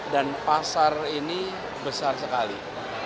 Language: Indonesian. dan pasar ini besar sekali